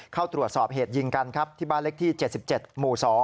เข้าตรวจสอบเหตุยิงกันครับที่บ้านเล็กที่๗๗หมู่๒